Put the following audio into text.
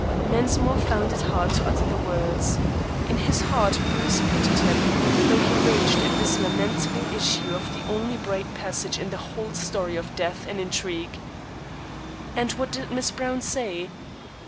Mensmore found it hard to utter the words. In his heart Bruce pitied him, though he raged at this lamentable issue of the only bright passage in the whole story of death and intrigue. "And what did Miss Browne say?"